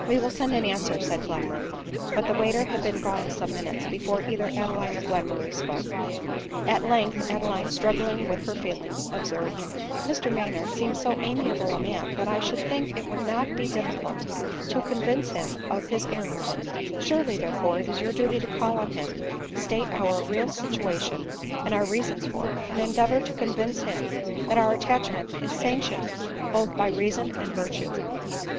" We will send an answer," said Glenmurray ; but the waiter had been gone some minutes before either Adeline or Glenmurray spoke. At length Adeline, struggling with her feelings, observed, " Mr Maynard seems so amiable a man, that 1 should think it would not be dif ficult to convince him of his* errors; surely, therefore, it is your duty to call on him, state our real situation, and our reasons for it, and endeavor to convince him that our attachment is sanctioned both by reason and virtue."